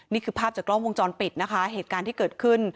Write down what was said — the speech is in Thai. นี่คือภาพจากกล้องวงจรปิดนะคะเหตุการณ์ที่เกิดขึ้น